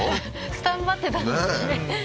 スタンバってたんですかね？